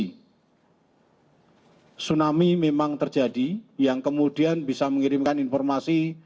tsunami memang terjadi yang kemudian bisa mengirimkan informasi